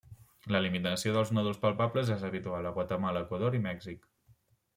L'eliminació dels nòduls palpables és habitual a Guatemala, Equador i Mèxic.